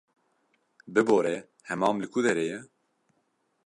Bibore, hemam li ku derê ye?